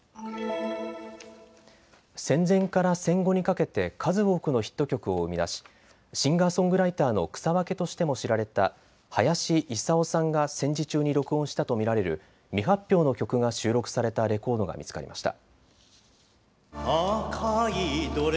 戦前から戦後にかけて数多くのヒット曲を生み出しシンガーソングライターの草分けとしても知られた林伊佐緒さんが戦時中に録音したと見られる未発表の曲が収録されたレコードが見つかりました。